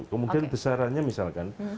kemudian besarannya misalkan